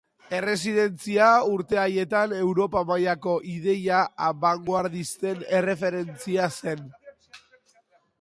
Erresidentzia urte haietan Europa mailako ideia abangoardisten erreferentzia zen.